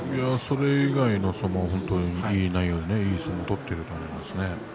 それ以外、いい内容いい相撲を取っていると思います。